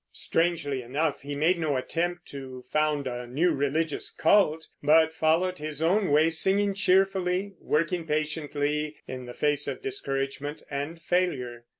Strangely enough, he made no attempt to found a new religious cult, but followed his own way, singing cheerfully, working patiently, in the face of discouragement and failure.